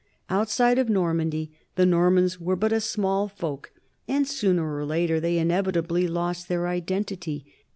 ^Outside of Normandy the Normans were but a small folk, and sooner or later they inevitably lost their identity.